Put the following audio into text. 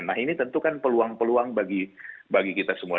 nah ini tentu kan peluang peluang bagi kita semua